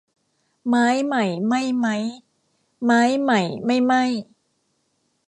ไม้ใหม่ไหม้มั้ย ไม้ใหม่ไม่ไหม้